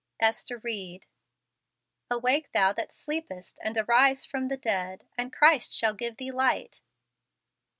Ester Ried. '' Awake thou that sleepest, and arise from the dead, and Christ shall give thee light."